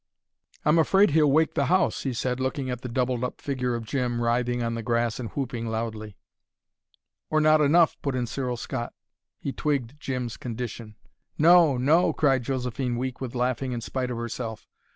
"I'm afraid he'll wake the house," he said, looking at the doubled up figure of Jim writhing on the grass and whooping loudly. "Or not enough," put in Cyril Scott. He twigged Jim's condition. "No no!" cried Josephine, weak with laughing in spite of herself.